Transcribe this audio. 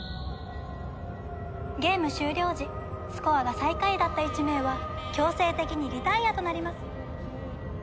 ゲーム終了時スコアが最下位だった１名は強制的にリタイアとなります。